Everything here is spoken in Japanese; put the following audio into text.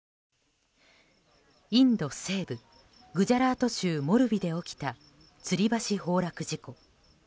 インド西部グジャラート州モルビで起きたつり橋崩落事故。